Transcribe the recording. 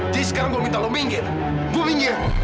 jadi sekarang aku minta kamu minggir aku minggir